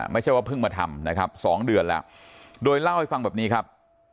ไม่ใช่ว่าเพิ่งมาทำนะครับ๒เดือนแล้วโดยเล่าให้ฟังแบบนี้ครับ